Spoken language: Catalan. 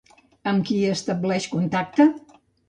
Amb qui estableix contacte?